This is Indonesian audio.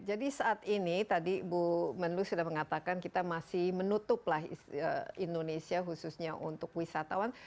saat ini tadi bu menlu sudah mengatakan kita masih menutup indonesia khususnya untuk wisatawan